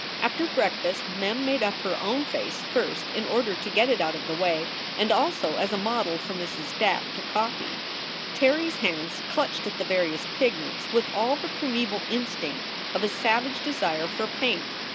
After breakfast, Mem made up her own face first in order to get it out of the way, and also as a model for Mrs. Dack to copy. Terry s hands clutched at the various pigments with all the primeval instinct of a savage desire for paint.